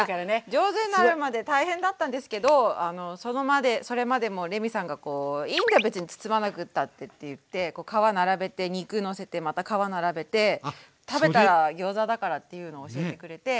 上手になるまで大変だったんですけどそれまでもレミさんがこう「いいんだ別に包まなくたって」って言って皮並べて肉のせてまた皮並べて食べたらギョーザだからっていうのを教えてくれて。